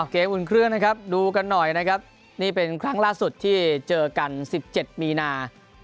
เกมอุ่นเครื่องนะครับดูกันหน่อยนะครับนี่เป็นครั้งล่าสุดที่เจอกัน๑๗มีนา